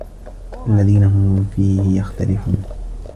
الَّذي هُم فيهِ مُختَلِفونَ